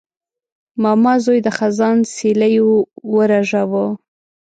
ماما زوی د خزان سیلیو ورژاوه.